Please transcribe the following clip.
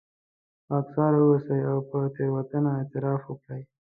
خاکساره واوسئ او پر تېروتنه اعتراف وکړئ.